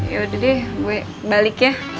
yaudah deh gue balik ya